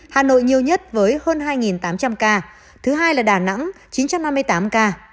hà nội nhiều nhất với hơn hai tám trăm linh ca thứ hai là đà nẵng chín trăm năm mươi tám ca